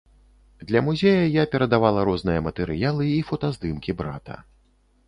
Для музея я перадавала розныя матэрыялы і фотаздымкі брата.